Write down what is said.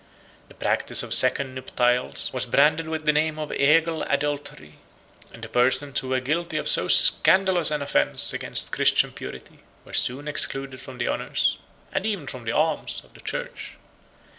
The practice of second nuptials was branded with the name of a legal adultery; and the persons who were guilty of so scandalous an offence against Christian purity, were soon excluded from the honors, and even from the alms, of the church.